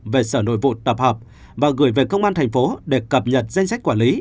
về sở nội vụ tập hợp và gửi về công an thành phố để cập nhật danh sách quản lý